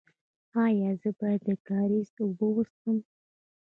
ایا زه باید د کاریز اوبه وڅښم؟